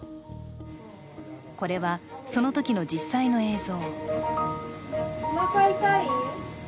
これは、そのときの実際の映像。